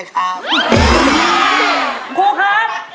ครับครับ